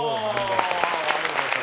ありがとうございます。